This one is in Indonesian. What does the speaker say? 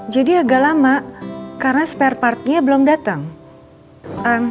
jadi agak lama karena spare partnya belum datang